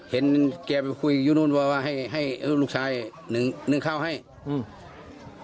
เห็นแกไปคุยอยู่นู้นว่าว่าให้ให้ลูกชายหนึ่งหนึ่งข้าวให้อืม